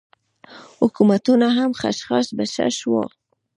حکومتونه هم خشاش بشاش وو.